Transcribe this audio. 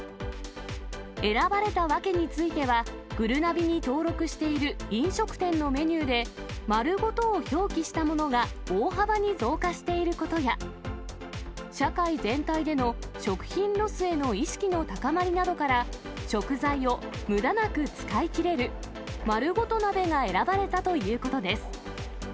選ばれた訳については、ぐるなびに登録している飲食店のメニューで、まるごとを表記したものが大幅に増加していることや、社会全体での食品ロスへの意識の高まりなどから、食材をむだなく使い切れる、まるごと鍋が選ばれたということです。